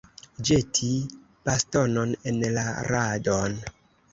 Ĵeti bastonon en la radon.